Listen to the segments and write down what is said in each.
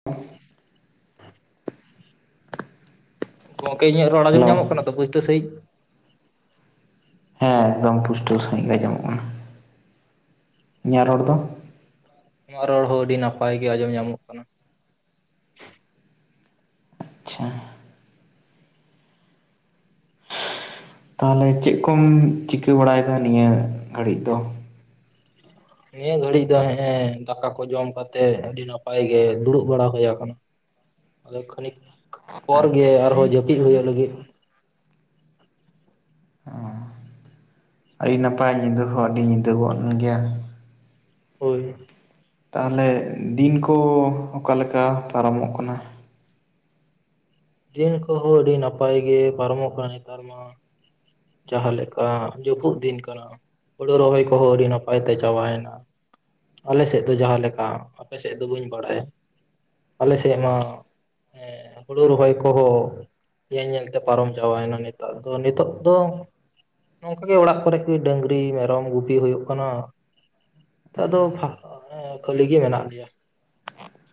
[inaudible] ᱜᱚᱝᱠᱮ ᱤᱧᱟᱹᱜ ᱨᱚᱲ ᱟᱸᱡᱚᱢ ᱧᱟᱢᱚᱜ ᱦᱮᱞᱳ ᱠᱟᱱᱟ ᱛᱚ ᱯᱩᱥᱴᱟᱹ ᱥᱟᱹᱦᱤᱡᱽ᱾ ᱦᱮᱸ ᱮᱠᱫᱚᱢ ᱯᱩᱥᱴᱟᱹ ᱥᱟᱹᱦᱤᱡ ᱜᱮ ᱟᱸᱡᱚᱢᱚᱜ ᱠᱟᱱᱟ᱾ ᱤᱧᱟᱹᱜ ᱨᱚᱲ ᱫᱚ᱾ ᱟᱢᱟᱜ ᱨᱚᱲ ᱦᱚᱸ ᱟᱹᱰᱤ ᱱᱟᱯᱟᱭ ᱜᱤ ᱟᱸᱡᱚᱢ ᱧᱟᱢᱚᱜ ᱠᱟᱱᱟ᱾ ᱟᱪᱪᱷᱟ ᱛᱟᱦᱚᱞᱮ ᱪᱮᱫ ᱠᱚᱢ ᱪᱤᱠᱟᱹ ᱵᱟᱲᱟᱭᱮᱫᱟ ᱱᱤᱭᱟᱹ ᱜᱷᱟᱹᱲᱤᱡ ᱫᱚ? ᱱᱤᱭᱟᱹ ᱜᱷᱟᱹᱲᱤᱡ ᱫᱚ ᱦᱮᱜᱮᱸ ᱫᱟᱠᱟ ᱠᱚ ᱡᱚᱢ ᱠᱟᱛᱮᱜ ᱟᱹᱰᱤ ᱱᱟᱯᱟᱭ ᱜᱮ ᱫᱩᱲᱩᱵ ᱵᱟᱲᱟ ᱦᱩᱭ ᱟᱠᱟᱱᱟ᱾ ᱟᱫᱚ ᱠᱷᱟᱹᱱᱤᱠ ᱯᱚᱨ ᱜᱮ ᱟᱪᱪᱷᱟ ᱟᱨᱦᱚᱸ ᱡᱟᱹᱯᱤᱫ ᱦᱩᱭᱩᱜ ᱞᱟᱹᱜᱤᱫ᱾ [unintelligible] ᱟᱹᱰᱤ ᱱᱟᱯᱟᱭ ᱧᱤᱫᱟᱹ ᱦᱚᱸ ᱟᱹᱰᱤ ᱧᱤᱫᱟᱹ ᱜᱚᱫ ᱜᱮᱭᱟ᱾ ᱦᱳᱭ ᱛᱟᱦᱚᱞᱮ ᱫᱤᱱ ᱠᱚ ᱚᱠᱟᱞᱮᱠᱟ ᱯᱟᱨᱟᱢᱚᱜ ᱠᱟᱱᱟ᱾ ᱫᱤᱱ ᱠᱚᱦᱚᱸ ᱟᱹᱰᱤ ᱱᱟᱯᱟᱭ ᱜᱮ ᱯᱟᱨᱚᱢᱚᱜ ᱠᱟᱱᱟ ᱱᱮᱛᱟᱨ ᱢᱟ, ᱡᱟᱦᱟᱸ ᱞᱮᱠᱟ ᱡᱟᱹᱯᱩᱫ ᱫᱤᱱ ᱠᱟᱱᱟ ᱦᱳᱲᱳ ᱨᱚᱦᱚᱭ ᱠᱚᱦᱚᱸ ᱟᱹᱰᱤ ᱱᱟᱯᱟᱭ ᱛᱮ ᱪᱟᱵᱟᱭ ᱮᱱᱟ᱾ ᱟᱞᱮ ᱥᱮᱫ ᱫᱚ ᱡᱟᱦᱟᱸ ᱞᱮᱠᱟ ᱟᱯᱮ ᱥᱮᱫ ᱫᱚ ᱵᱟᱹᱧ ᱵᱟᱲᱟᱭᱟ᱾ ᱟᱞᱮ ᱥᱮᱜ ᱢᱟ ᱦᱮᱸ ᱦᱩᱲᱩ ᱨᱚᱦᱚᱭ ᱠᱚᱦᱚᱸ ᱧᱮᱞ ᱧᱮᱞ ᱛᱮ ᱯᱟᱨᱚᱢ ᱪᱟᱵᱟᱭᱮᱱᱟ ᱱᱮᱛᱟᱨ ᱫᱚ ᱱᱤᱛᱚᱜ ᱫᱚ [inaudible] ᱱᱚᱝᱠᱟ ᱜᱮ ᱚᱲᱟᱜ ᱠᱚᱨᱮᱜ ᱜᱮ ᱰᱟᱹᱝᱨᱤ ᱢᱮᱨᱚᱢ ᱜᱩᱯᱤ ᱦᱩᱭᱩᱜ ᱠᱟᱱᱟ᱾ ᱟᱫᱚ ᱯᱷᱟᱸᱠ ᱦᱚᱸ ᱠᱷᱟᱹᱞᱤ ᱜᱮ ᱢᱮᱱᱟᱜ ᱞᱮᱭᱟ᱾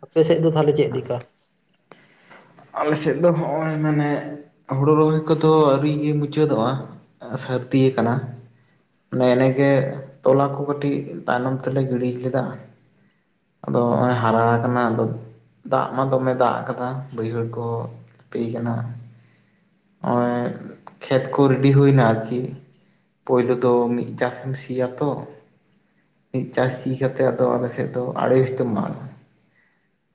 ᱟᱯᱮ ᱥᱮᱫ ᱫᱚ ᱛᱟᱦᱚᱞᱮ ᱪᱮᱫ ᱞᱮᱠᱟ? ᱟᱞᱮ ᱥᱮᱫ ᱫᱚ ᱦᱚᱜ-ᱚᱭ ᱢᱟᱱᱮ ᱦᱳᱲᱳ ᱨᱚᱦᱚᱭ ᱠᱚᱫᱚ ᱟᱹᱣᱨᱤᱜᱮ ᱢᱩᱪᱟᱹᱫᱚᱜ-ᱟ᱾ ᱥᱟᱹᱨᱫᱤᱭ ᱟᱠᱟᱱᱟ᱾ ᱱᱮ ᱮᱱᱮᱜᱮ ᱛᱚᱞᱟ ᱠᱚ ᱠᱟᱹᱴᱤᱡ ᱛᱟᱭᱱᱚᱢ ᱛᱮᱞᱮ ᱜᱤᱲᱤ ᱞᱮᱫᱟ, ᱟᱫᱚ ᱦᱚᱜ-ᱚᱭ ᱦᱟᱨᱟ ᱟᱠᱟᱱᱟ ᱟᱫᱚ ᱫᱟᱜ ᱢᱟ ᱫᱚᱢᱮ ᱫᱟᱜ ᱟᱠᱟᱫᱟ ᱵᱟᱹᱭᱦᱟᱹᱲ ᱠᱚ [unintelligible] ᱠᱟᱱᱟ᱾ ᱦᱚᱜ-ᱚᱭ ᱠᱷᱮᱛ ᱠᱚ ᱨᱮᱰᱤ ᱦᱩᱭ ᱮᱱᱟ ᱟᱨᱠᱤ, ᱯᱳᱭᱞᱳ ᱫᱚ ᱢᱤᱫ ᱪᱟᱥᱮᱢ ᱥᱤᱭᱟ ᱛᱚ, ᱢᱤᱫ ᱪᱟᱥ ᱥᱤ ᱠᱟᱛᱮᱫ ᱫᱚ ᱟᱞᱮ ᱥᱮᱫ ᱫᱚ ᱟᱲᱮ ᱵᱷᱤᱛᱚᱢ ᱢᱟᱜᱟ᱾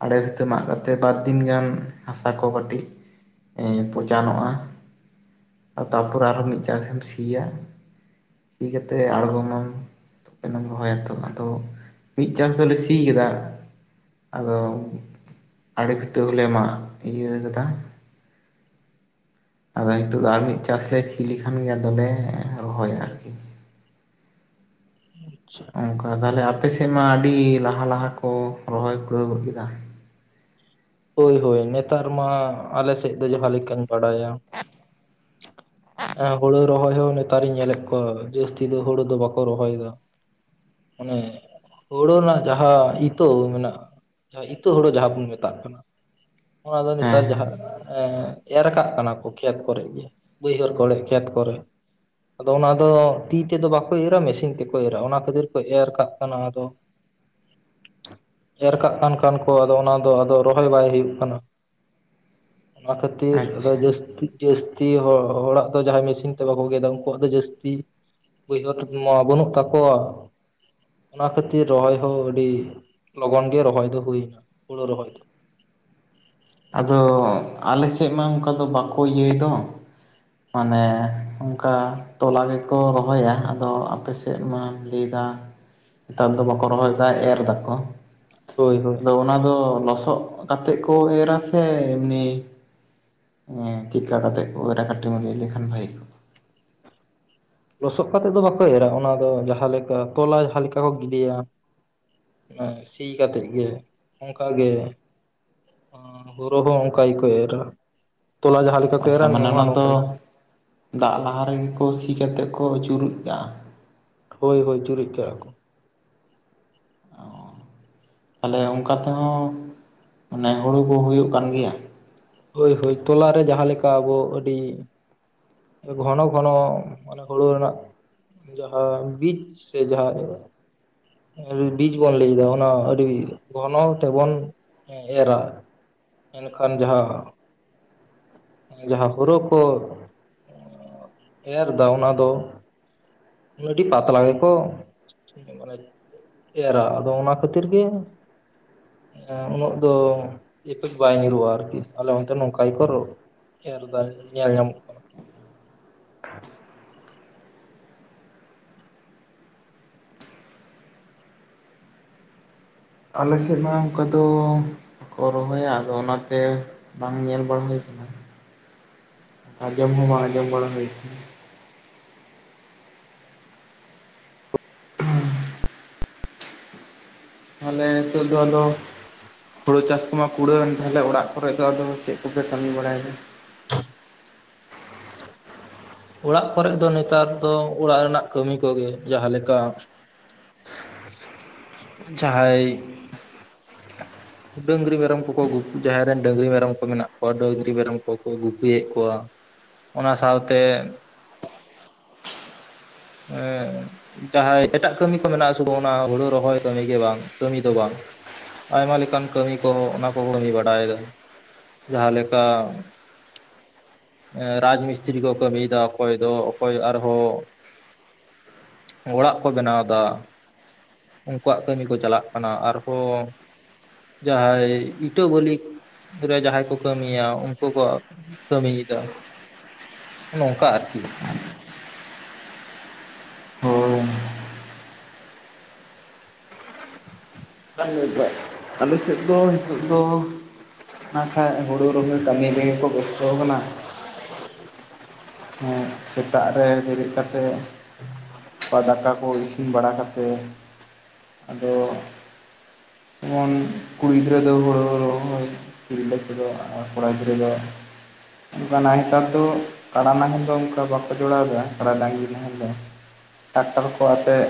ᱟᱲᱮ ᱵᱷᱤᱛᱟᱹ ᱢᱟᱜ ᱠᱟᱛᱮᱫ ᱵᱟᱨ ᱫᱤᱱ ᱜᱟᱱᱼᱼ ᱦᱟᱥᱟ ᱠᱚ ᱠᱟᱹᱴᱤᱡ [inaudible] ᱯᱚᱪᱟᱱᱚᱜ-ᱟ᱾ ᱛᱟᱨᱯᱚᱨᱮ ᱟᱨᱦᱚᱸ ᱢᱤᱫ ᱪᱟᱥᱮᱢ ᱥᱤᱭᱟ ᱥᱤ ᱠᱟᱛᱮᱫ ᱟᱬᱜᱚᱢᱟᱢ᱾ ᱨᱚᱦᱚᱭᱟ ᱛᱚ ᱟᱫᱚ ᱢᱤᱫ ᱪᱟᱥ ᱫᱚᱞᱮ ᱥᱤ ᱠᱮᱫᱟ, ᱟᱫᱚ ᱟᱲᱮ ᱵᱷᱤᱛᱟᱹ ᱦᱚᱞᱮ ᱢᱟᱜ ᱤᱭᱟᱹ ᱠᱟᱫᱟ᱾ ᱟᱫᱚ ᱦᱤᱛᱚᱜ ᱫᱚ ᱟᱨ ᱢᱤᱫ ᱪᱟᱥ ᱞᱮ ᱥᱤ ᱞᱮᱠᱷᱟᱱ ᱜᱮ ᱟᱫᱚᱞᱮ ᱨᱚᱦᱚᱭᱟ᱾ ᱚᱱᱠᱟ ᱛᱟᱦᱚᱞᱮ ᱟᱯᱮᱥᱮᱫ ᱢᱟ ᱟᱹᱰᱤ ᱞᱟᱦᱟ ᱞᱟᱦᱟ ᱠᱚ ᱨᱚᱦᱚᱭ ᱯᱩᱨᱟᱹᱣ ᱜᱚᱫ ᱠᱮᱫᱟ, ᱦᱳᱭ ᱦᱳᱭ ᱱᱮᱛᱟᱨ ᱢᱟ ᱟᱞᱮ ᱥᱮᱫ ᱫᱚ ᱡᱟᱦᱟᱸ ᱞᱮᱠᱟᱧ ᱵᱟᱰᱟᱭᱟ, [inaudible] ᱮᱸ ᱦᱩᱲᱩ ᱨᱚᱦᱚᱭ ᱦᱚᱸ ᱱᱮᱛᱟᱨᱤᱧ ᱧᱮᱞᱮᱫ ᱠᱚᱣᱟ ᱡᱟᱹᱥᱛᱤ ᱫᱚ ᱦᱩᱲᱩ ᱫᱚ ᱵᱟᱠᱚ ᱨᱚᱦᱚᱭᱮᱫᱟ᱾ ᱚᱱᱮ [inaudible] ᱦᱳᱲᱳ ᱨᱮᱱᱟᱜ ᱡᱟᱦᱟᱸ ᱤᱛᱟᱹ ᱢᱮᱱᱟᱜ-ᱟ, ᱤᱛᱟᱹ ᱦᱳᱲᱳ ᱡᱟᱦᱟᱸ ᱵᱚᱱ ᱢᱮᱛᱟᱜ ᱠᱟᱱᱟ ᱚᱱᱟ ᱫᱚ ᱱᱮᱛᱟᱨ ᱦᱮᱸ ᱡᱟᱦᱟᱸ ᱮᱨ ᱠᱟᱜ ᱠᱟᱱᱟ ᱠᱚ ᱠᱷᱮᱛ ᱠᱚᱨᱮ ᱜᱮ ᱵᱟᱹᱭᱦᱟᱹᱲ ᱠᱚᱨᱮ ᱠᱷᱮᱛ ᱠᱚᱨᱮ ᱟᱫᱚ ᱚᱱᱟ ᱫᱚ ᱛᱤ ᱛᱮᱫᱚ ᱵᱟᱠᱚ ᱤᱨᱟ ᱢᱮᱥᱤᱱ ᱛᱮᱠᱚ ᱚᱨᱟ ᱚᱱᱟ ᱠᱷᱟᱹᱛᱤᱨ ᱠᱚ ᱮᱨ ᱠᱟᱜ ᱠᱟᱱᱟ ᱟᱫᱚ [inaudible] ᱮᱨ ᱠᱟᱜ ᱠᱟᱱ ᱠᱷᱟᱱ ᱠᱚ ᱟᱫᱚ ᱚᱱᱟ ᱫᱚ ᱟᱫᱚ ᱨᱚᱦᱚᱭ ᱵᱟᱭ ᱦᱩᱭᱩᱜ ᱠᱟᱱᱟ [inaudible] ᱚᱱᱟ ᱠᱷᱟᱹᱛᱤᱨ ᱟᱫᱚ ᱟᱪᱪᱷᱟ ᱡᱟᱹᱥᱛᱤ ᱡᱟᱹᱥᱛᱤ ᱦᱚᱲ ᱦᱚᱲᱟᱜ ᱫᱚ ᱡᱟᱦᱟᱸᱭ ᱢᱮᱥᱤᱱ ᱛᱮ ᱵᱟᱠᱚ ᱜᱮᱫᱟ ᱩᱱᱠᱩᱣᱟᱜ ᱫᱚ ᱡᱟᱹᱥᱛᱤ ᱵᱟᱹᱭᱦᱟᱹᱲ ᱢᱟ ᱵᱟᱹᱱᱩᱜ ᱛᱟᱠᱚᱣᱟ᱾ ᱚᱱᱟ ᱠᱷᱟᱹᱛᱤᱨ ᱨᱚᱦᱚᱭ ᱦᱚᱸ ᱟᱹᱰᱤ ᱞᱚᱜᱚᱱ ᱜᱮ ᱨᱚᱦᱚᱭ ᱫᱚ ᱦᱩᱭᱱᱟ ᱦᱩᱲᱳ ᱨᱚᱦᱚᱭ, ᱟᱫᱚ ᱟᱞᱮ ᱥᱮᱫ ᱢᱟ ᱚᱱᱠᱟ ᱫᱚ ᱵᱟᱠᱚ ᱤᱭᱟᱹᱭ ᱫᱚ, ᱢᱟᱱᱮ ᱚᱱᱠᱟ ᱛᱚᱞᱟ ᱜᱮᱠᱚ ᱨᱚᱦᱚᱭᱟ ᱟᱫᱚ ᱟᱯᱮ ᱥᱮᱫ ᱢᱟ ᱞᱟᱹᱭ ᱫᱟᱢ ᱱᱮᱛᱟᱨ ᱫᱚ ᱵᱟᱠᱚ ᱨᱚᱦᱚᱭ ᱫᱟ ᱮᱨ ᱫᱟᱠᱚ, ᱦᱳᱭ ᱦᱳᱭ ᱟᱫᱚ ᱚᱱᱟ ᱫᱚ ᱞᱚᱥᱚᱫ ᱠᱟᱛᱮᱫ ᱠᱚ ᱮᱨᱟ ᱥᱮ ᱮᱢᱱᱤ [inaudible] ᱪᱮᱠᱟ ᱠᱟᱛᱮ ᱠᱚ ᱮᱨᱟ ᱠᱟᱹᱴᱤᱡ ᱮᱢ ᱞᱟᱹᱭ ᱞᱮᱠᱷᱟᱱ ᱵᱷᱟᱜᱮ ᱠᱚ ᱞᱚᱥᱚᱫ ᱠᱟᱛᱮᱫ ᱫᱚ ᱵᱟᱠᱚ ᱮᱨᱟ ᱚᱱᱟ ᱫᱚ ᱡᱟᱦᱟᱸ ᱞᱮᱠᱟ ᱛᱚᱞᱟ ᱡᱟᱦᱟᱸ ᱞᱮᱠᱟ ᱠᱚ ᱜᱤᱰᱤᱭᱟ ᱥᱤ ᱠᱟᱛᱮᱫ ᱜᱮ ᱚᱱᱠᱟ ᱜᱮ ᱦᱚᱸ ᱦᱳᱨᱳ ᱦᱚᱸ ᱚᱱᱠᱟ ᱜᱮᱠᱚ ᱮᱨᱟ [inaudible] ᱛᱚᱞᱟ ᱡᱟᱦᱟᱸ ᱞᱮᱠᱟ ᱠᱚ ᱮᱨᱟ ᱟᱪᱪᱷᱟ ᱢᱟᱱᱮ ᱱᱚᱣᱟ ᱚᱱᱟ ᱦᱚᱸ ᱫᱚ ᱱᱚᱝᱠᱟ ᱜᱮ᱾ ᱫᱟᱜ ᱞᱟᱦᱟ ᱨᱮᱜᱮ ᱠᱚ ᱥᱤ ᱠᱮᱛᱮᱫ ᱠᱚ ᱪᱩᱨᱩᱡ ᱠᱟᱜᱟ᱾ ᱦᱳᱭ ᱦᱳᱭ ᱪᱩᱨᱩᱡ ᱠᱟᱜᱟ ᱠᱚ᱾ ᱛᱟᱞᱦᱮ ᱚᱝᱠᱟ ᱛᱮᱦᱚᱸ ᱢᱟᱱᱮ ᱦᱩᱲᱩ ᱠᱚ ᱦᱩᱭᱩᱜ ᱠᱟᱱ ᱜᱮᱭᱟ? ᱦᱳᱭ ᱦᱳᱭ ᱛᱚᱞᱟ ᱨᱮ ᱡᱟᱦᱟᱸ ᱞᱮᱠᱟ ᱟᱵᱚ ᱟᱹᱰᱤ ᱜᱷᱚᱱᱚ ᱜᱷᱚᱱᱚ ᱢᱟᱱᱮ ᱦᱩᱲᱩ ᱨᱮᱱᱟᱜ ᱡᱟᱦᱟᱸ ᱵᱤᱪ ᱥᱮ ᱡᱟᱦᱟᱸ ᱵᱤᱪ ᱵᱚᱱ ᱞᱟᱹᱭ ᱫᱟ ᱚᱱᱟ ᱟᱹᱰᱤ ᱜᱷᱚᱱᱚ ᱛᱮᱵᱚᱱ ᱮᱨᱟ ᱮᱱᱠᱷᱟᱱ ᱡᱟᱦᱟᱸ ᱡᱟᱦᱟᱸ ᱦᱳᱲᱳ ᱠᱚ ᱮᱨᱫᱟ ᱚᱱᱟ ᱫᱚ ᱟᱹᱰᱤ ᱯᱟᱛᱞᱟ ᱜᱮᱠᱚ [unintelligible] ᱮᱨᱟ ᱟᱫᱚ ᱚᱱᱟ ᱠᱷᱟᱹᱛᱤᱨ ᱜᱮ ᱮᱸ ᱩᱱᱟᱹᱜ ᱫᱚ ᱮᱯᱷᱮᱠᱴ ᱵᱟᱭ ᱧᱩᱨᱩᱜ-ᱟ ᱟᱨᱠᱤ, ᱟᱞᱮ ᱚᱱᱛᱮ ᱱᱚᱝᱠᱟ ᱜᱮᱠᱚ ᱨᱚ ᱮᱨᱫᱟ ᱧᱮᱞ ᱧᱟᱢᱚᱜ ᱠᱟᱱᱟ᱾ ᱟᱞᱮ ᱥᱮᱫ ᱢᱟ ᱚᱝᱠᱟ ᱫᱚ ᱠᱚ ᱨᱚᱦᱚᱭᱟ ᱟᱫᱚ ᱚᱱᱟᱛᱮ ᱵᱟᱝ ᱧᱮᱞ ᱵᱟᱲᱟ ᱦᱩᱭ ᱠᱟᱱᱟ᱾ ᱟᱸᱡᱚᱢ ᱦᱚᱸ ᱵᱟᱝ ᱟᱸᱡᱚᱢ ᱵᱟᱲᱟ ᱦᱳᱭ ᱠᱟᱱᱟ᱾ ᱛᱟᱦᱟᱞᱮ ᱦᱮᱛᱳᱜ ᱫᱚ ᱟᱫᱚ ᱦᱳᱲᱳ ᱪᱟᱥ ᱠᱚᱢᱟ ᱠᱩᱲᱟᱹᱣᱮᱱ, ᱛᱟᱦᱟᱞᱮ ᱚᱲᱟᱜ ᱠᱚᱨᱮᱜ ᱫᱚ ᱟᱫᱚ ᱪᱮᱫ ᱠᱚᱯᱮ ᱠᱟᱹᱢᱤ ᱵᱟᱲᱟᱭᱫᱟ? ᱚᱲᱟᱜ ᱠᱚᱨᱮᱜ ᱫᱚ ᱱᱮᱛᱟᱨ ᱫᱚ ᱚᱲᱟᱜ ᱨᱮᱱᱟᱜ ᱠᱟᱹᱢᱤ ᱠᱚᱜᱮ ᱡᱟᱦᱟᱸ ᱞᱮᱠᱟ ᱡᱟᱦᱟᱸᱭ ᱰᱟᱹᱝᱨᱤ ᱢᱮᱨᱚᱢ ᱠᱚᱠᱚ ᱜᱩᱯ ᱡᱟᱦᱟᱸᱭ ᱨᱮᱱ ᱰᱟᱹᱝᱨᱤ ᱢᱮᱨᱚᱢ ᱠᱚ ᱢᱮᱱᱟᱜ ᱠᱚᱣᱟ ᱰᱟᱹᱝᱨᱤ ᱢᱮᱨᱚᱢ ᱠᱚᱠᱚ ᱜᱩᱯᱤᱭᱮᱫ ᱠᱚᱣᱟ᱾ ᱚᱱᱟ ᱥᱟᱶᱛᱮ ᱮᱸ ᱡᱟᱦᱟᱸᱭ ᱮᱴᱟᱜ ᱠᱟᱹᱢᱤ ᱠᱚ ᱢᱮᱱᱟᱜᱟ ᱥᱩ ᱚᱱᱟ ᱦᱩᱲᱩ ᱨᱚᱦᱚᱭ ᱠᱟᱹᱢᱤ ᱜᱮ ᱵᱟᱝ ᱠᱟᱹᱢᱤ ᱫᱚ ᱵᱟᱝ ᱟᱭᱢᱟ ᱞᱮᱠᱟᱱ ᱠᱟᱹᱢᱤ ᱠᱚᱦᱚᱸ ᱚᱱᱟ ᱠᱚ ᱠᱟᱹᱢᱤ ᱵᱟᱲᱟᱭᱫᱟ, ᱡᱟᱦᱟᱸ ᱞᱮᱠᱟ ᱮᱸ ᱨᱟᱡᱽ ᱢᱤᱥᱛᱨᱤ ᱠᱚ ᱠᱟᱹᱢᱤᱭᱫᱟ ᱚᱠᱚᱭ ᱫᱚ ᱚᱠᱚᱭ ᱟᱨᱦᱚᱸ ᱚᱲᱟᱜ ᱠᱚ ᱵᱮᱱᱟᱣ ᱫᱟ ᱩᱝᱠᱩᱣᱟᱜ ᱠᱟᱹᱢᱤ ᱠᱚ ᱪᱟᱞᱟᱜ ᱠᱟᱱᱟ, ᱟᱨᱦᱚᱸ ᱡᱟᱸᱦᱟᱭ ᱤᱴᱟᱹ ᱵᱟᱹᱞᱤ ᱨᱮ ᱡᱟᱦᱟᱸᱭ ᱠᱚ ᱠᱟᱹᱢᱤᱭᱟ ᱩᱝᱠᱩ ᱠᱚ ᱠᱟᱹᱢᱤᱭᱮᱫ ᱫᱟ ᱱᱚᱝᱠᱟ ᱟᱨᱠᱤ᱾ ᱦᱳᱭ [unintelligible] ᱟᱞᱮ ᱥᱮᱫ ᱫᱚ ᱦᱮᱛᱳᱜ ᱫᱚ ᱱᱟᱠᱷᱟᱡ ᱦᱳᱲᱳ ᱨᱚᱦᱚᱭ ᱠᱟᱹᱢᱤ ᱨᱮᱜᱮ ᱠᱚ ᱵᱮᱥᱛᱚ ᱠᱟᱱᱟ᱾ ᱥᱮᱛᱟᱜ ᱨᱮ ᱵᱮᱨᱮᱫ ᱠᱟᱛᱮᱫ ᱫᱟᱠᱟ ᱠᱚ ᱤᱥᱤᱱ ᱵᱟᱲᱟ ᱠᱟᱛᱮᱫ ᱟᱫᱚ ᱚᱢᱚᱱ ᱠᱩᱲᱤ ᱜᱤᱫᱽᱨᱟᱹ ᱫᱚ ᱦᱳᱲ ᱨᱚᱦᱚᱭ ᱛᱤᱨᱞᱟᱹ ᱠᱚᱫᱚ ᱠᱚᱲᱟ ᱜᱤᱫᱽᱨᱟᱹ ᱫᱚ ᱚᱱᱠᱟᱱᱟ ᱦᱮᱛᱟᱨ ᱫᱚ ᱠᱟᱲᱟ ᱱᱟᱦᱮᱞ ᱫᱚ ᱚᱝ ᱠᱟ ᱵᱟᱠᱚ ᱡᱚᱲᱟᱣ ᱫᱟ ᱠᱟᱲᱟ ᱰᱟᱜᱽᱨᱤ ᱱᱟᱦᱮᱞ ᱫᱚ ᱴᱟᱠᱴᱟᱨ ᱠᱚ ᱟᱛᱮᱫ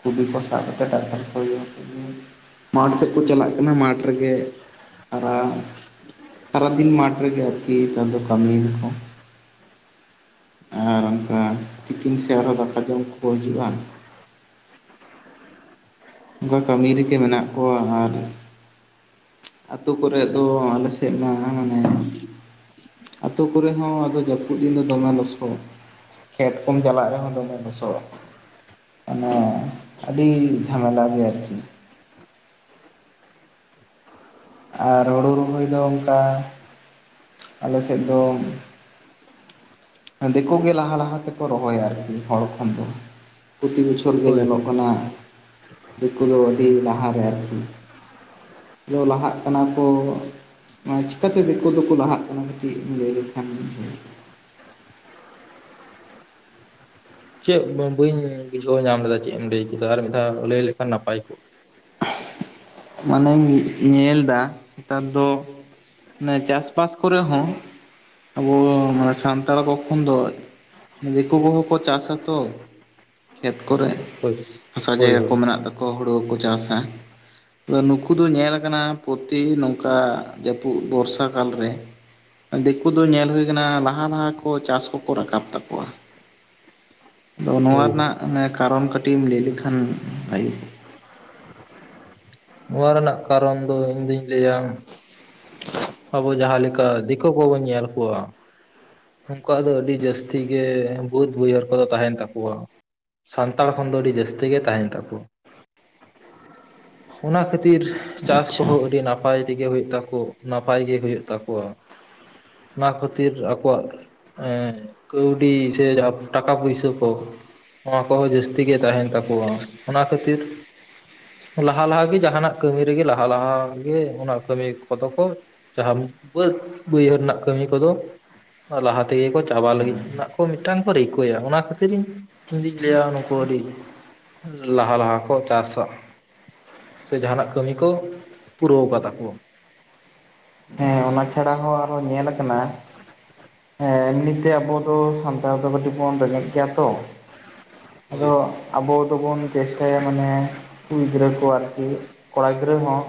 ᱠᱩᱰᱤ ᱠᱚ ᱥᱟᱵ ᱠᱟᱛᱮ ᱴᱟᱠᱴᱟᱨ ᱠᱚ [unintelligible] ᱢᱟᱴᱷ ᱥᱮᱫ ᱠᱚ ᱪᱟᱞᱟᱜ ᱠᱟᱱᱟ, ᱢᱟᱴᱷ ᱨᱮᱜᱮ ᱥᱟᱨᱟ ᱥᱟᱨᱟ ᱫᱤᱱ ᱢᱟᱴᱷ ᱨᱮ ᱜᱮ ᱟᱨᱠᱤ ᱦᱮᱛᱟᱨ ᱫᱚ ᱠᱟᱹᱢᱤ ᱫᱟᱠᱚ᱾ ᱟᱨ ᱚᱝᱠᱟ ᱛᱤᱠᱤᱱ ᱥᱮ ᱟᱨᱦᱚᱸ ᱫᱟᱠᱟ ᱡᱚᱢ ᱠᱚᱠᱚ ᱦᱤᱡᱩᱜ-ᱟ᱾ ᱚᱱᱠᱟ ᱠᱟᱹᱢᱤ ᱨᱮᱜᱮ ᱢᱮᱱᱟᱜ ᱠᱚᱣᱟ ᱟᱨ ᱟᱹᱛᱩ ᱠᱚᱨᱮᱫ ᱫᱚ ᱟᱞᱮ ᱥᱮᱫ ᱢᱟ ᱢᱟᱱᱮ ᱟᱹᱛᱩ ᱠᱚᱨᱮ ᱦᱚᱸ ᱟᱫᱚ ᱡᱟᱹᱯᱩᱫ ᱫᱤᱱ ᱫᱚ ᱫᱚᱢᱮ ᱞᱚᱥᱚᱫ ᱠᱷᱮᱛ ᱠᱚᱢ ᱪᱟᱞᱟᱜ ᱨᱮᱦᱚᱸ ᱫᱚᱢᱮ ᱞᱚᱥᱚᱫ ᱢᱟᱱᱮ ᱟᱹᱰᱤ ᱡᱟᱢᱮᱞᱟ ᱜᱮᱭᱟ ᱟᱨᱠᱤ ᱟᱨ ᱦᱩᱲᱩ ᱨᱚᱦᱚᱭ ᱫᱚ ᱚᱱᱠᱟ ᱟᱞᱮᱥᱮᱫ ᱫᱚ ᱫᱤᱠᱩ ᱜᱮ ᱞᱟᱦᱟ ᱞᱟᱦᱟ ᱛᱮᱠᱚ ᱨᱚᱦᱚᱭᱟ ᱟᱨᱠᱤ ᱦᱚᱲ ᱠᱷᱚᱱ ᱫᱚ ᱯᱨᱚᱛᱤ ᱵᱚᱪᱷᱚᱨ ᱜᱮ ᱦᱳᱭ ᱧᱮᱞᱚᱜ ᱦᱳᱭ ᱠᱟᱱᱟ ᱫᱤᱠᱩ ᱫᱚ ᱟᱹᱰᱤ ᱞᱟᱦᱟ ᱨᱮ ᱟᱨᱠᱤ ᱫᱚ ᱞᱟᱦᱟᱜ ᱠᱟᱱᱟ ᱠᱚ ᱢᱟᱱᱮ ᱪᱤᱠᱟᱛᱮ ᱫᱤᱠᱩ ᱫᱚᱠᱚ ᱞᱟᱦᱟᱜ ᱠᱟᱱᱟ ᱠᱟᱹᱴᱤᱡ ᱞᱟᱹᱭ ᱞᱮᱠᱷᱟᱱ ᱡᱩᱛ ᱠᱚᱜ-ᱟ? ᱪᱮᱫ ᱵᱟᱹᱧ ᱵᱩᱡᱷᱟᱹᱣ ᱧᱟᱢ ᱞᱮᱫᱟ ᱪᱮᱫ ᱮᱢ ᱞᱟᱹᱭ ᱠᱮᱫᱟ ᱟᱨ ᱢᱤᱫ ᱫᱷᱟᱣ ᱞᱟᱹᱭ ᱞᱮᱠᱷᱟᱱ ᱱᱟᱯᱟᱭ ᱠᱚᱜ ᱢᱟᱱᱮᱧ ᱧᱮᱞ ᱫᱟ ᱱᱮᱛᱟᱨ ᱫᱚ ᱢᱟᱱᱮ ᱪᱟᱥᱼᱵᱟᱥ ᱠᱚᱨᱮ ᱦᱚᱸ ᱟᱵᱚ ᱥᱟᱱᱛᱟᱲ ᱠᱚ ᱠᱷᱚᱱ ᱫᱚ ᱫᱤᱠᱩ ᱠᱚᱜᱮ ᱠᱚ ᱪᱟᱥᱟ ᱛᱚ ᱠᱷᱮᱛ ᱠᱚᱨᱮ ᱦᱳᱭ ᱦᱟᱥᱟ ᱦᱳᱭ ᱡᱟᱭᱜᱟ ᱠᱚ ᱦᱳᱭ ᱢᱮᱱᱟᱜ ᱛᱟᱠᱚᱣᱟ ᱦᱩᱲᱩ ᱠᱚᱠᱚ ᱪᱟᱥᱟ᱾ ᱟᱫᱚ ᱱᱩᱠᱩ ᱫᱚ ᱧᱮᱞ ᱟᱠᱟᱱᱟ ᱯᱨᱚᱛᱤ ᱱᱚᱝᱠᱟ ᱡᱟᱹᱯᱩᱫ ᱵᱚᱨᱥᱟ ᱠᱟᱞ ᱨᱮ᱾ ᱫᱤᱠᱩ ᱫᱚ ᱧᱮᱞ ᱦᱩᱭ ᱟᱠᱟᱱᱟ ᱞᱟᱦᱟ ᱞᱟᱦᱟ ᱠᱚ ᱪᱟᱥ ᱠᱚᱠᱚ ᱨᱟᱠᱟᱵ ᱛᱟᱠᱚᱣᱟ᱾ ᱟᱫᱚ ᱱᱚᱣᱟ ᱦᱳᱭ ᱦᱳᱭ ᱨᱮᱱᱟᱜ ᱠᱟᱨᱚᱱ ᱠᱟᱹᱴᱤᱡ ᱮᱢ ᱞᱟᱹᱭ ᱞᱮᱠᱷᱟᱱ ᱵᱷᱟᱭᱮ ᱠᱚᱼᱼ ᱱᱚᱣᱟ ᱨᱮᱱᱟᱜ ᱠᱟᱨᱚᱱ ᱫᱚ ᱤᱧᱫᱩᱧ ᱞᱟᱹᱭᱟ᱾ ᱟᱵᱚ ᱡᱟᱦᱟᱸ ᱞᱮᱠᱟ ᱫᱤᱠᱩ ᱠᱚᱵᱚᱱ ᱧᱮᱞ ᱠᱚᱣᱟ᱾ ᱩᱱᱠᱩᱣᱟᱜ ᱫᱚ ᱟᱹᱰᱤ ᱡᱟᱹᱥᱛᱤ ᱜᱮ ᱵᱟᱹᱫᱽ ᱵᱟᱹᱭᱦᱟᱹᱨ ᱠᱚᱫᱚ ᱛᱟᱦᱮᱸᱱ ᱛᱟᱠᱚᱣᱟ ᱾ ᱥᱟᱱᱛᱟᱲ ᱠᱷᱚᱱ ᱫᱚ ᱟᱹᱰᱤ ᱡᱟᱹᱥᱛᱤ ᱜᱮ ᱛᱟᱦᱮᱱ ᱛᱟᱠᱚ᱾ ᱚᱱᱟ ᱠᱷᱟᱹᱛᱤᱨ ᱪᱟᱥ ᱟᱪᱪᱷᱟ ᱠᱚᱦᱚᱸ ᱟᱹᱰᱤ ᱱᱟᱼᱼ ᱱᱟᱯᱟᱭ ᱛᱮᱜᱮ ᱦᱩᱭᱩᱜ ᱛᱟᱠᱚ ᱱᱟᱯᱟᱭ ᱜᱮ ᱦᱩᱭᱩᱜ ᱛᱟᱠᱚᱣᱟ ᱚᱱᱟ ᱠᱷᱟᱹᱛᱤᱨ ᱟᱠᱚᱣᱟᱜ- ᱮᱸ ᱠᱟᱹᱣᱰᱤ ᱥᱮ ᱴᱟᱠᱟ ᱯᱩᱭᱥᱟᱹ ᱠᱚ ᱾ ᱱᱚᱣᱟ ᱠᱚᱦᱚᱸ ᱡᱟᱹᱥᱛᱤ ᱜᱮ ᱛᱟᱦᱮᱱ ᱛᱟᱠᱚᱣᱟ ᱚᱱᱟ ᱠᱷᱟᱹᱛᱤᱨ- ᱞᱟᱦᱟ ᱞᱟᱦᱟᱜᱮ ᱡᱟᱦᱟᱸᱟᱱᱟᱜ ᱠᱟᱹᱢᱤ ᱨᱮᱜᱮ ᱞᱟᱦᱟ ᱞᱟᱦᱟᱜᱮ ᱚᱱᱟ ᱠᱟᱹᱢᱤ ᱠᱚᱫᱚ ᱠᱚ- ᱡᱟᱦᱟᱸ ᱵᱟᱹᱫᱽ ᱵᱟᱹᱭᱦᱟᱹᱲ ᱨᱮᱱᱟᱜ ᱠᱟᱹᱢᱤ ᱠᱚᱫᱚ- ᱞᱟᱦᱟ ᱛᱮᱜᱮ ᱠᱚ ᱪᱟᱵᱟ ᱞᱟᱹᱜᱤᱫ ᱨᱮᱱᱟᱜ ᱠᱚ ᱢᱤᱫᱴᱟᱝ ᱠᱚ ᱨᱤᱠᱟᱹᱭᱟ ᱚᱱᱟ ᱠᱷᱟᱹᱛᱤᱨ ᱤᱧ- ᱡᱩᱫᱤᱧ ᱞᱟᱹᱭ ᱟ ᱱᱩᱠᱩ ᱟᱹᱰᱤ ᱞᱟᱦᱟ ᱞᱟᱦᱟ ᱠᱚ ᱪᱟᱥᱟ ᱾ ᱥᱮ ᱡᱟᱦᱟᱱᱟᱜ ᱠᱟᱹᱢᱤ ᱠᱚ ᱯᱩᱨᱟᱹᱣ ᱠᱟᱫᱟ ᱠᱚ᱾ ᱦᱮᱸ ᱚᱱᱟ ᱪᱷᱟᱲᱟ ᱦᱚᱸ ᱟᱨᱚ ᱧᱮᱞ ᱟᱠᱟᱱᱟ᱾ ᱦᱮᱸ ᱮᱢᱱᱤᱛᱮ ᱟᱵᱚ ᱫᱚ ᱥᱟᱱᱛᱟᱲ ᱫᱚ ᱠᱟᱹᱴᱤᱡ ᱵᱚᱱ ᱨᱮᱸᱜᱮᱡ ᱜᱮᱭᱟ ᱛᱚ ᱦᱳᱭ ᱟᱫᱚ- ᱟᱵᱚ ᱫᱚᱵᱚᱱ ᱪᱮᱥᱴᱟᱭᱟ ᱢᱟᱱᱮ ᱠᱩᱲᱤ ᱜᱤᱫᱽᱨᱟᱹ ᱠᱚ ᱟᱨᱠᱤ ᱠᱚᱲᱟ ᱜᱤᱫᱽᱨᱟᱹ ᱦᱚᱸ᱾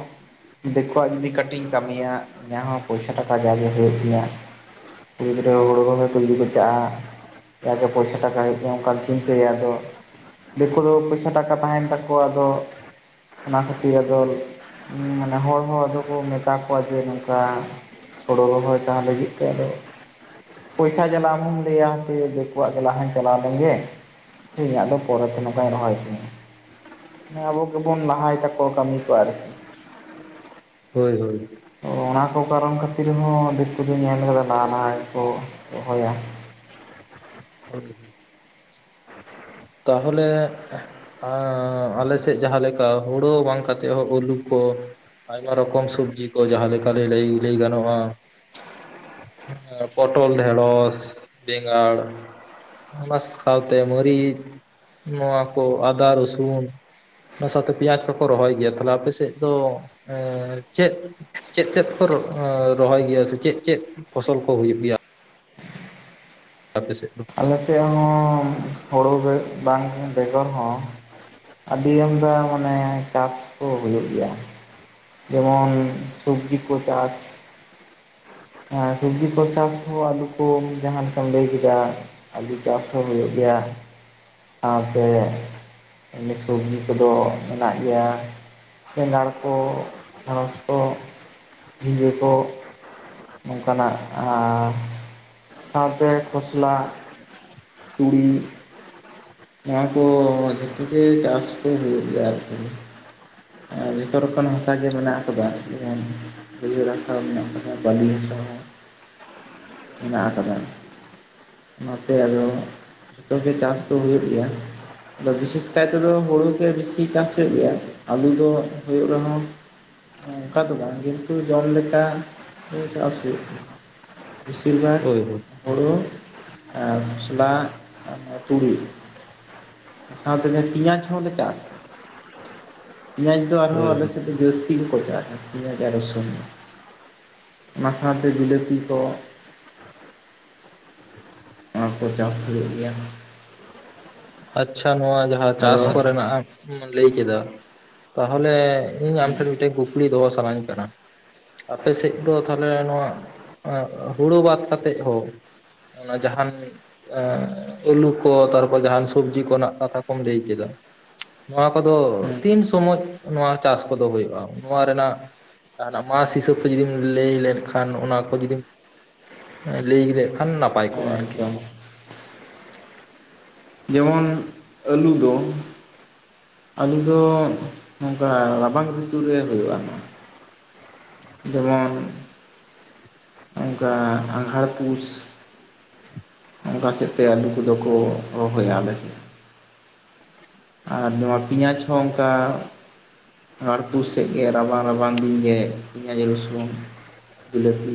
ᱫᱤᱠᱩᱣᱟᱜ ᱡᱩᱫᱤ ᱠᱟᱹᱴᱤᱡ ᱤᱧ ᱠᱟᱹᱢᱤᱭᱟ ᱡᱟᱦᱟᱸ ᱦᱚᱸ ᱯᱚᱭᱥᱟ ᱴᱟᱠᱟ ᱡᱟᱜᱮ ᱦᱩᱭᱩᱜ ᱛᱤᱧᱟᱹ᱾ ᱠᱩᱲᱤ ᱜᱤᱫᱽᱨᱟᱹ ᱦᱩᱲᱩ ᱨᱚᱦᱚᱭ ᱡᱩᱫᱤ ᱠᱚ ᱪᱟᱜᱼᱟ ᱾ ᱡᱟᱜᱮ ᱯᱚᱭᱥᱟ ᱴᱟᱠᱟ ᱦᱮᱡ ᱚᱱᱠᱟᱢ ᱪᱤᱱᱛᱟᱹᱭᱟ ᱟᱫᱚ᱾ ᱫᱤᱠᱩ ᱫᱚ ᱯᱚᱭᱥᱟ ᱴᱟᱠᱟ ᱛᱟᱦᱮᱱ ᱛᱟᱠᱚᱣᱟ ᱟᱫᱚ- ᱚᱱᱟ ᱠᱷᱟᱹᱛᱤᱨ ᱟᱫᱚ ᱢᱟᱱᱮ ᱦᱚᱲ ᱦᱚᱸ ᱟᱫᱚ ᱠᱚ ᱢᱮᱛᱟ ᱠᱚᱣᱟ ᱡᱮ ᱱᱚᱝᱠᱟ- ᱦᱳᱲᱳ ᱨᱚᱦᱚᱭ ᱛᱟᱦᱞᱮ ᱦᱤᱡᱩᱜ ᱯᱮ ᱟᱫᱚ ᱯᱚᱭᱥᱟ ᱡᱟᱞᱟ ᱟᱢ ᱦᱚᱸᱢ ᱞᱟᱹᱭᱟ ᱦᱟᱯᱮ ᱫᱤᱠᱩᱣᱟᱜ ᱜᱮ ᱞᱟᱦᱟᱧ ᱪᱟᱞᱟᱣ ᱞᱮᱱ ᱜᱮ ᱾ ᱤᱧᱟᱹᱜ ᱫᱚ ᱯᱚᱨᱮᱛᱮ ᱱᱚᱝᱠᱟᱧ ᱨᱚᱦᱚᱭ ᱛᱤᱧᱟᱹ᱾ ᱦᱮᱸ ᱟᱵᱚ ᱜᱮᱵᱚᱱ ᱞᱟᱦᱟᱭ ᱛᱟᱠᱚᱣᱟ ᱠᱟᱹᱢᱤ ᱠᱚ ᱟᱨᱦᱤ᱾ ᱦᱳᱭ ᱦᱳᱭ᱾ ᱚᱱᱟ ᱠᱚ ᱠᱟᱨᱚᱱ ᱠᱷᱟᱹᱛᱤᱨ ᱦᱚᱸ ᱫᱤᱠᱩ ᱫᱚᱧ ᱧᱮᱞ ᱟᱠᱟᱫᱟ ᱞᱟᱦᱟ ᱞᱟᱦᱟ ᱜᱮᱠᱚ ᱨᱚᱦᱚᱭᱟ᱾ ᱦᱳᱭ ᱾ ᱛᱟᱦᱚᱞᱮ ᱟᱸᱻ ᱟᱞᱮ ᱥᱮᱫ ᱡᱟᱦᱟᱸ ᱞᱮᱠᱟ ᱦᱳᱲᱳ ᱵᱟᱝ ᱠᱟᱛᱮᱫ ᱦᱚᱸ ᱟᱹᱞᱩ ᱠᱚ ᱟᱭᱢᱟ ᱨᱚᱠᱚᱢ ᱥᱚᱵᱽᱡᱤ ᱠᱚ ᱡᱟᱦᱟᱸ ᱞᱮᱠᱟ ᱞᱟᱹᱭ ᱞᱟᱹᱭ ᱜᱟᱱᱚᱜᱼᱟ ᱟᱨ ᱯᱚᱴᱚᱞ, ᱰᱷᱮᱸᱲᱚᱥ, ᱵᱮᱸᱜᱟᱲ, ᱚᱱᱟ ᱥᱟᱶᱛᱮ ᱢᱟᱹᱨᱤᱪ ᱱᱚᱣᱟ ᱠᱚ ᱟᱫᱟ, ᱨᱚᱥᱩᱱ ᱚᱱᱟ ᱥᱟᱶᱛᱮ ᱯᱮᱸᱭᱟᱡᱽ ᱠᱚᱠᱚ ᱨᱚᱦᱚᱭ ᱜᱮᱭᱟ, ᱛᱟᱦᱚᱞᱮ ᱟᱯᱮᱥᱮᱫ ᱫᱚ ᱮ ᱪᱮᱫ ᱪᱮᱫ ᱪᱮᱫ ᱠᱚ ᱨᱚ ᱨᱚᱦᱚᱭ ᱜᱮᱭᱟ ᱥᱮ ᱪᱮᱫ ᱪᱮᱫ ᱯᱷᱚᱥᱚᱞ ᱠᱚ ᱦᱩᱭᱩᱜ ᱜᱮᱭᱟ ᱟᱯᱮ ᱥᱮᱫ ᱫᱚ? ᱟᱞᱮ ᱥᱮᱫ ᱦᱚᱸ ᱦᱳᱲᱳ ᱵᱮᱜ ᱵᱟᱝ ᱵᱮᱜᱚᱨ ᱦᱚᱸ ᱟᱹᱰᱤ ᱟᱢᱫᱟ ᱢᱟᱱᱮ ᱪᱟᱥ ᱠᱚ ᱦᱩᱭᱩᱜ ᱜᱮᱭᱟ᱾ ᱡᱮᱢᱚᱱ ᱥᱚᱵᱽᱡᱤ ᱠᱚ ᱪᱟᱥ᱾ ᱟᱨ ᱥᱚᱵᱽᱡᱤ ᱠᱚ ᱪᱟᱥ ᱦᱚᱸ ᱟᱞᱩ ᱠᱚ ᱡᱟᱦᱟᱸ ᱞᱮᱠᱟᱢ ᱞᱟᱹᱭ ᱠᱮᱫᱟ᱾ ᱟᱹᱞᱩ ᱪᱟᱥ ᱦᱚᱸ ᱦᱩᱭᱩᱜ ᱜᱮᱭᱟ, ᱥᱟᱶᱛᱮ ᱮᱢᱱᱤ ᱥᱚᱵᱽᱡᱤ ᱠᱚᱫᱚ ᱢᱮᱱᱟᱜ ᱜᱮᱭᱟ᱾ ᱵᱮᱸᱜᱟᱲ ᱠᱚ, ᱰᱷᱮᱲᱚᱥ ᱠᱚ, ᱡᱷᱤᱝᱜᱟᱹ ᱠᱚ, ᱱᱚᱝᱠᱟᱱᱟᱜ ᱟᱨ ᱥᱟᱶᱛᱮ ᱠᱷᱚᱥᱞᱟ, ᱛᱩᱲᱤ ᱱᱚᱣᱟ ᱠᱚ ᱡᱷᱚᱛᱚᱜᱮ ᱪᱟᱥ ᱠᱚ ᱦᱩᱭᱩᱜ ᱜᱮᱭᱟ ᱟᱨᱠᱤ ᱾ ᱟᱨ ᱡᱚᱛᱚ ᱨᱚᱠᱚᱢ ᱦᱟᱥᱟ ᱜᱮ ᱢᱮᱱᱟᱜ ᱟᱠᱟᱫᱟ, ᱡᱮᱢᱚᱱ ᱵᱟᱹᱭᱦᱟᱹᱲ ᱦᱟᱥᱟ ᱦᱚᱸ ᱢᱮᱱᱟᱜ ᱠᱟᱫᱟ, ᱵᱟᱹᱞᱤ ᱦᱟᱥᱟ ᱦᱚᱸ ᱢᱮᱱᱟᱜ ᱟᱠᱟᱫᱟ ᱾ ᱚᱱᱟᱛᱮ ᱟᱫᱚ ᱡᱚᱛᱚᱜᱮ ᱪᱟᱥ ᱫᱚ ᱦᱩᱭᱩᱜ ᱜᱮᱭᱟ ᱾ ᱟᱫᱚ ᱵᱤᱥᱮᱥ ᱠᱟᱭᱛᱮᱫᱚ ᱦᱩᱲᱩ ᱜᱮ ᱵᱮᱥᱤ ᱪᱟᱥ ᱦᱩᱭᱩᱜ ᱜᱮᱭᱟ, ᱟᱞᱩ ᱫᱚ ᱦᱩᱭᱩᱜ ᱨᱮᱦᱚᱸ ᱚᱱᱠᱟ ᱫᱚ ᱵᱟᱝ ᱠᱤᱱᱛᱩ ᱡᱚᱢ ᱞᱮᱠᱟ ᱪᱟᱥ ᱦᱩᱭᱩᱜ ᱜᱮᱭᱟ ᱾ ᱵᱤᱥᱤᱨ ᱵᱷᱟᱜ ᱦᱳᱭ ᱦᱳᱭ ᱦᱩᱲᱩ ᱟᱨ ᱢᱚᱥᱞᱟ ᱟᱨ ᱱᱚᱣᱟ ᱛᱩᱲᱤ ᱟ ᱥᱟᱶᱛᱮ ᱡᱟᱸᱦᱟ ᱯᱤᱭᱟᱡᱽ ᱦᱚᱞᱮ ᱪᱟᱥ ᱾ ᱯᱮᱸᱭᱟᱡᱽ ᱫᱚ ᱟᱨᱦᱚᱸ ᱦᱳᱭ ᱦᱳᱭ ᱟᱞᱮᱥᱮᱫ ᱫᱚ ᱡᱟᱹᱥᱛᱤ ᱜᱮ ᱠᱚ ᱪᱟᱥ ᱟ ᱯᱮᱸᱭᱟᱡᱽ ᱟᱨ ᱨᱚᱥᱩᱱ ᱾ ᱚᱱᱟ ᱥᱟᱶᱛᱮ ᱵᱤᱞᱟᱹᱛᱤ ᱠᱚ ᱾ ᱚᱱᱟ ᱠᱚ ᱪᱟᱥ ᱦᱩᱭᱩᱜ ᱜᱮᱭᱟ ᱾ ᱟᱪᱪᱷᱟ ᱱᱚᱣᱟ ᱡᱟᱦᱟᱸ ᱟᱫᱚ ᱪᱟᱥ ᱠᱚᱨᱮᱱᱟᱜ ᱮᱢ ᱞᱟᱹᱭ ᱠᱮᱫᱟ ᱛᱟᱦᱚᱞᱮ ᱤᱧ ᱟᱢ ᱦᱮᱸ ᱴᱷᱮᱱ ᱢᱤᱫᱴᱮᱱ ᱠᱩᱠᱞᱤ ᱫᱚᱦᱚ ᱥᱟᱱᱟᱧ ᱠᱟᱱᱟ ᱾ ᱟᱯᱮ ᱥᱮᱫ ᱫᱚ ᱛᱟᱦᱚᱞᱮ ᱱᱚᱣᱟ ᱟᱸ ᱦᱩᱲᱩ ᱵᱟᱫ ᱠᱟᱛᱮᱫ ᱦᱳ ᱚᱱᱟ ᱡᱟᱦᱟᱱ ᱮᱸᱻ ᱟᱹᱞᱩ ᱠᱚ ᱛᱟᱨᱯᱚᱨ ᱡᱟᱦᱟᱱ ᱥᱚᱵᱡᱤ ᱠᱚᱱᱟᱜ ᱠᱟᱛᱷᱟ ᱠᱚᱢ ᱞᱟᱹᱭ ᱠᱮᱫᱟ, ᱱᱚᱣᱟ ᱠᱚᱫᱚ ᱦᱮᱸ ᱛᱤᱱ ᱥᱚᱢᱚᱭ ᱱᱚᱣᱟ ᱪᱟᱥ ᱠᱚᱫᱚ ᱦᱩᱭᱩᱜᱼᱟ? ᱱᱚᱣᱟ ᱨᱮᱱᱟᱜ ᱡᱟᱦᱟ ᱱᱟᱜ ᱢᱟᱥ ᱦᱤᱥᱟᱹᱵ ᱛᱮ ᱡᱩᱫᱤᱢ ᱞᱟᱹᱭ ᱞᱮᱱᱠᱷᱟᱱ ᱚᱱᱟ ᱠᱚ ᱡᱩᱫᱤᱢ ᱞᱟᱹᱭ ᱠᱮᱫ ᱠᱷᱟᱱ ᱱᱟᱯᱟᱭ ᱠᱚᱜᱼᱟ ᱦᱮᱸ ᱟᱨᱠᱤ ᱾ ᱮᱠᱫᱚᱢ ᱡᱮᱢᱚᱱ ᱟᱹᱞᱩ ᱫᱚ ᱟᱞᱩ ᱫᱚ ᱱᱚᱝᱠᱟ ᱨᱟᱵᱟᱝ ᱨᱤᱛᱩ ᱨᱮ ᱦᱩᱭᱩᱜᱼᱟ ᱱᱚ ᱾ ᱡᱮᱢᱚᱱ ᱚᱱᱠᱟ ᱟᱸᱜᱷᱟᱲ ᱯᱩᱥ ᱾ ᱚᱱᱠᱟ ᱥᱮᱫ ᱛᱮ ᱟᱞᱩ ᱠᱚᱫᱚ ᱠᱚ ᱨᱚᱦᱚᱭᱟ ᱟᱞᱮᱥᱮᱫ ᱾ ᱟᱨ ᱱᱚᱣᱟ ᱯᱮᱭᱟᱡᱽ ᱦᱚᱸ ᱚᱱᱠᱟ ᱟᱜᱷᱟᱲ ᱯᱩᱥ ᱥᱮᱫ ᱜᱮ ᱨᱟᱵᱟᱝ ᱨᱟᱵᱟᱝ ᱫᱤᱱ ᱜᱮ ᱯᱮᱸᱭᱟᱡ, ᱨᱚᱥᱩᱱ, ᱵᱤᱞᱟᱹᱛᱤ